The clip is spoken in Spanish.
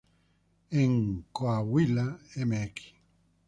En Coahuila, Mx.